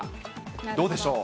どうでしょう。